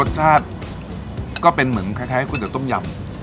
รสชาติก็เป็นเหมือนคล้ายกุ่นจากต้มยำ